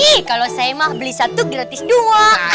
ih kalau saya mau beli satu gratis dua